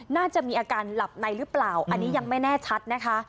น่าจะมีอาการหลับในหรือเปล่าอันนี้ยังไม่แน่ชัดนะคะ